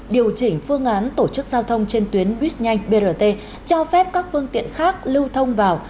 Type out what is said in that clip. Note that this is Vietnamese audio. điều chỉnh phương án tổ chức giao thông trên tuyến buýt nhanh brt cho phép các phương tiện khác lưu thông vào